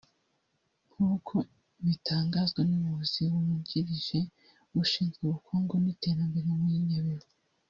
nk’uko bitangazwa n’Umuyobozi wungurije ushinzwe ubukungu n’iterambere muri Nyabihu